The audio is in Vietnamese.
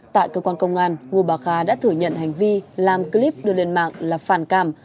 tại cơ quan công an ngô bà khá đã thừa nhận hành vi làm clip đưa lên mạng là phản cảm